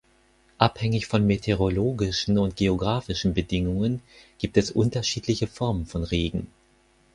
Abhängig von meteorologischen und geografischen Bedingungen gibt es unterschiedliche Formen von Regen.